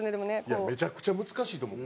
いやめちゃくちゃ難しいと思う。